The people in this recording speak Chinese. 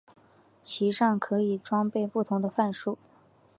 其上可以装备不同的范数。